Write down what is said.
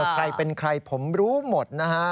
ใครเป็นใครผมรู้หมดนะฮะ